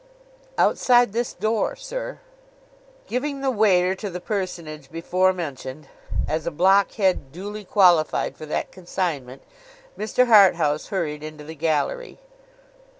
'Outside this door, sir.' Giving the waiter to the personage before mentioned, as a block head duly qualified for that consignment, Mr. Harthouse hurried into the gallery.